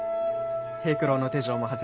平九郎の手錠も外れた。